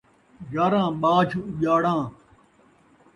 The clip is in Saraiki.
یاراں ٻاجھ اُڄاڑاں